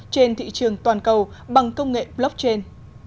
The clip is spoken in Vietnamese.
trên thị trường toàn cầu bằng công nghệ blockchain